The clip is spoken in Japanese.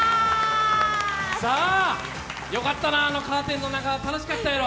よかったな、あのカーテンの中楽しかったやろ？